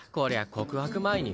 告白前に。